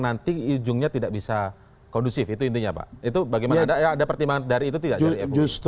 nanti ujungnya tidak bisa kondusif itu intinya pak itu bagaimana ada pertimbangan dari itu tidak sorry